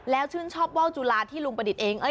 แล้วชื่นชอบว่าวจุลาที่ลุงประดิษฐ์เอง